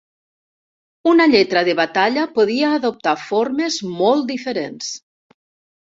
Una lletra de batalla podia adoptar formes molt diferents.